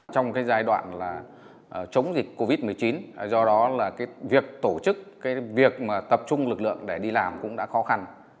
trong cái giai đoạn chống dịch covid một mươi chín do đó là cái việc tổ chức cái việc mà tập trung lực lượng để đi làm cũng đã khó khăn